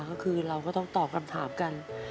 ก็คือเราก็ต้องตอบคำถามกัน